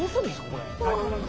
これ。